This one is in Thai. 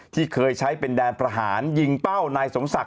ที่เคยใช้เป็นแดนประหารยิงเป้านายสมศักดิ